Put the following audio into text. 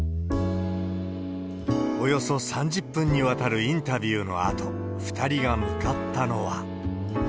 およそ３０分にわたるインタビューのあと、２人が向かったのは。